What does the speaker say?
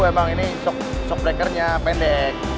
memang ini shock breakernya pendek